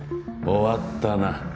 終わったな。